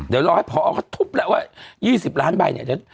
เดี๋ยวรอให้พอเขาทุบแล้วว่า๒๐ล้านใบเนี่ย